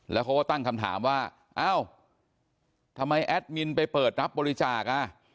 แล้วเขาก็ตั้งคำถามว่าเอ้าทำไมแอดมินไปเปิดรับบริจาคอ่ะ